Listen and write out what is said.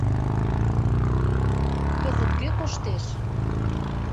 Кызыт кӧ коштеш?